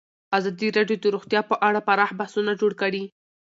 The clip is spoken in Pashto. ازادي راډیو د روغتیا په اړه پراخ بحثونه جوړ کړي.